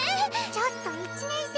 ちょっと１年生。